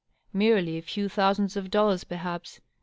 Merely a few thousands of dollars, perhaps.